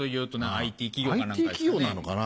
ＩＴ企業なのかな？